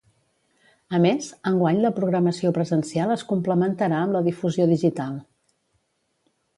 A més, enguany la programació presencial es complementarà amb la difusió digital.